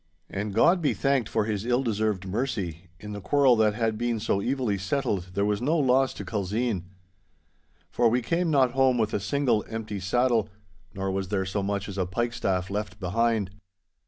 And God be thanked for His ill deserved mercy, in the quarrel that had been so evilly settled, there was no loss to Culzean. For we came not home with a single empty saddle, nor was there so much as a pike staff left behind.